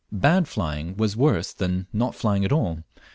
Pad flying was worse than not flying at all.